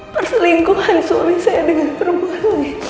perselingkuhan suami saya dengan perempuan